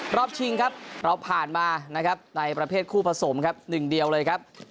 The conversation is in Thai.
ชิงครับเราผ่านมานะครับในประเภทคู่ผสมครับหนึ่งเดียวเลยครับ